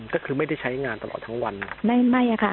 ก็คือไม่ได้ใช้งานตลอดทั้งวันนะไม่ไม่ค่ะ